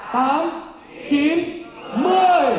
đúng một mươi giờ